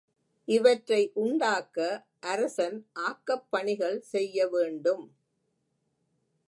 இவற்றை உண்டாக்க அரசன் ஆக்கப் பணிகள் செய்ய வேண்டும்.